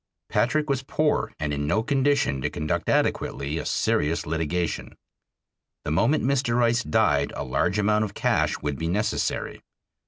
Patrick was poor and in no condition to conduct adequately a serious litigation. The moment Mr. Rice died a large amount of cash would be necessary.